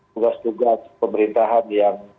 tugas tugas pemerintahan yang